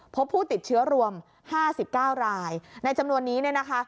พบผู้ติดเชื้อรวม๕๙รายในจำนวนนี้เนี่ยนะคะ